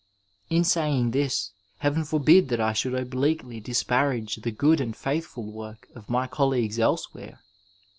In saying this, Heaven forbid that I should obliquely disparage the good and faithful work of my colleagues elsewhere.